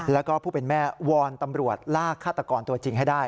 แล้วก็ผู้เป็นแม่วอนตำรวจลากฆาตกรตัวจริงให้ได้